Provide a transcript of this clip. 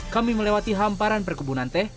kami melewati hamparan perkebunan teh